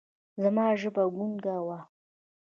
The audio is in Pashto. زما ژبه ګونګه وه ـ